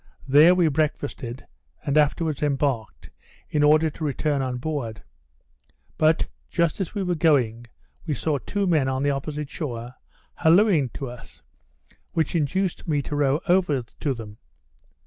There we breakfasted, and afterwards embarked, in order to return on board; but, just as we were going, we saw two men on the opposite shore, hallooing to us, which induced me to row over to them.